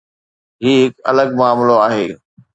هي هڪ الڳ معاملو آهي.